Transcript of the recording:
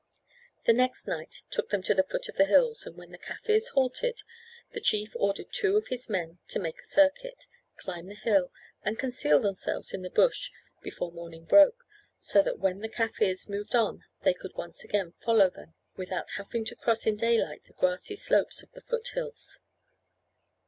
The next night took them to the foot of the hills, and when the Kaffirs halted, the chief ordered two of his men to make a circuit, climb the hill, and conceal themselves in the bush before morning broke, so that when the Kaffirs moved on they could at once follow them without having to cross in daylight the grassy slopes of the foot hills.